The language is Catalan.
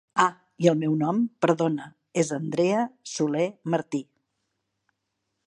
Ah i el meu nom perdona és Andrea Soler Martí.